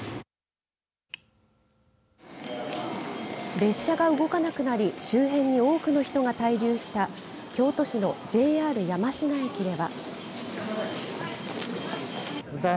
列車が動かなくなり周辺に多くの人が滞留した京都市のＪＲ山科駅では。